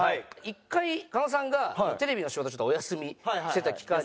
１回狩野さんがテレビの仕事ちょっとお休みしてた期間に。